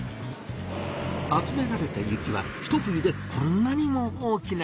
集められた雪はひと冬でこんなにも大きな雪山に！